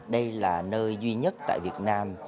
đây là nơi duy nhất tại việt nam